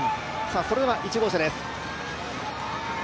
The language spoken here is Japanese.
それでは１号車です。